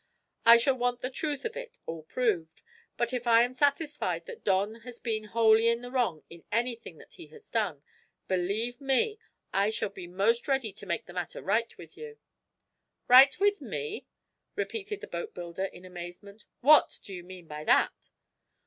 I shall want the truth of it all proved. But, if I am satisfied that Don has been wholly in the wrong in anything that he has done, believe me, I shall be most ready to make the matter right with you." "Right with me?" repeated the boatbuilder, in amazement "What do you mean by that?"